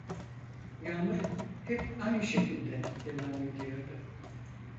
Yağmur, hep aynı şekilde, devam ediyordu.